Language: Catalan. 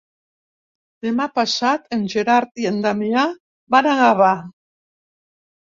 Demà passat en Gerard i en Damià van a Gavà.